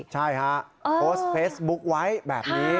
ใช่ฮะโพสต์เฟซบุ๊คไว้แบบนี้